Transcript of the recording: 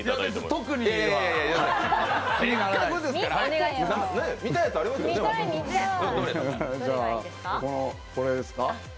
特にはじゃあ、これですか。